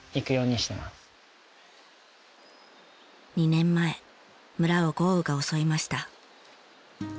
２年前村を豪雨が襲いました。